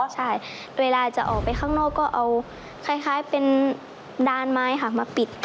ใช่เวลาจะออกไปข้างนอกก็เอาคล้ายเป็นดานไม้ค่ะมาปิด